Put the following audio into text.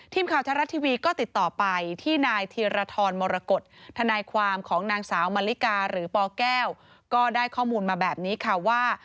ทีมข่าวไทยรัฐทีวีก็ติดต่อไปที่นายธีรทรมรกฏทนายความของนางสาวมาริกาหรือปแก้วก็ได้ข้อมูลมาแบบนี้ค่ะว่า